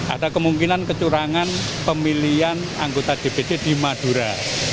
ada kemungkinan kecurangan pemilihan anggota dpc di madura